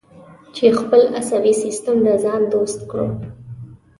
چې خپل عصبي سیستم د ځان دوست کړو.